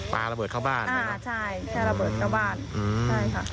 ปลาระเบิดเข้าบ้านใช่ไหมครับอ่าใช่แค่ระเบิดเข้าบ้านใช่ค่ะ